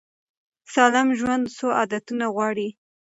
سالم ژوند څو عادتونه غواړي.